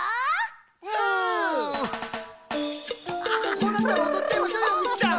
こうなったらおどっちゃいましょうよグッチさん。